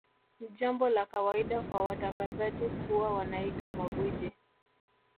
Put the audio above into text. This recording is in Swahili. Ni jambo la kawaida kwa watangazaji kuwa wanaiga magwiji